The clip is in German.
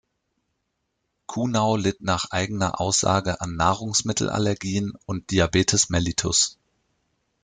Kuhnau litt nach eigener Aussage an Nahrungsmittelallergien und Diabetes mellitus.